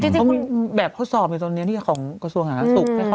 จริงแบบก็สอบในตรงนี้ที่ของกระทรวงหารักษณะศุกร์